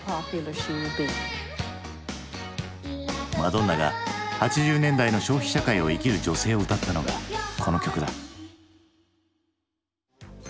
マドンナが８０年代の消費社会を生きる女性を歌ったのがこの曲だ。